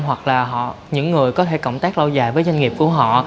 hoặc là những người có thể cộng tác lâu dài với doanh nghiệp của họ